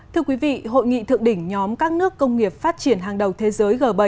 thưa quý vị hội nghị thượng đỉnh nhóm các nước công nghiệp phát triển hàng đầu thế giới g bảy